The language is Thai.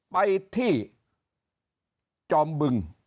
ไปที่จอมบึง